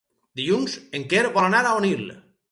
Dilluns en Quer vol anar a Onil.